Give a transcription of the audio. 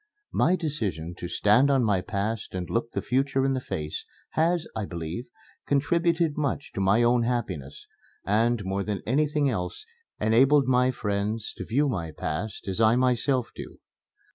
My decision to stand on my past and look the future in the face has, I believe, contributed much to my own happiness, and, more than anything else, enabled my friends to view my past as I myself do.